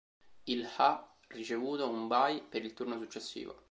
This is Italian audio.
Il ha ricevuto un bye per il turno successivo.